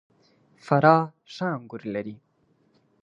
فراه ښه انګور لري .